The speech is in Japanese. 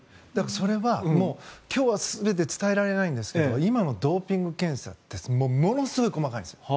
それは今日は全て伝えられないんですが今のドーピング検査ってものすごい細かいんですよ。